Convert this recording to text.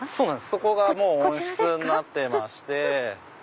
そこがもう温室になってまして。